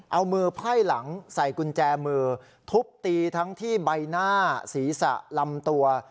เอามือไพ่หลังใส่กุญแจมือทุบตีทั้งที่ใบหน้าศีรษะลำตัว